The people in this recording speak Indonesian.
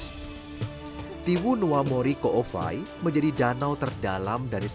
tiwu dalam bahasa ende berarti danau sedangkan tiwunuamurikoowai memiliki arti danau atau kawah para arwah pemuda dan gadis